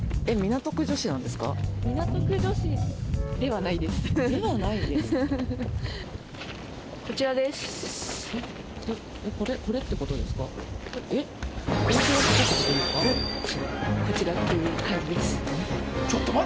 えっ？